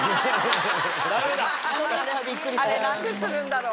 あれ何でするんだろう？